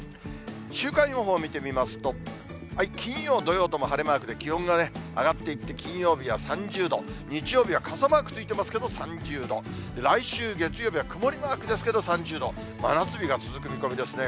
週間予報を見てみますと、金曜、土曜と晴れマークで、気温がね、上がっていって、金曜日は３０度、日曜日は傘マークついてますけど、３０度、来週月曜日は曇りマークですけど、３０度、真夏日が続く見込みですね。